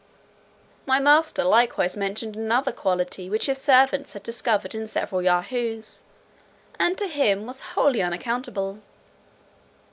My master likewise mentioned another quality which his servants had discovered in several Yahoos, and to him was wholly unaccountable.